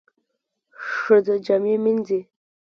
ښځه جامې مینځي.